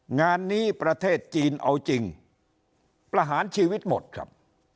งานนี้ประเทศจีนเอาจริงประหารชีวิตหมดครับ